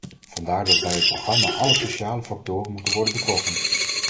Vandaar dat bij het programma alle sociale factoren moeten worden betrokken.